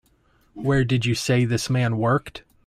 Where did you say this man worked?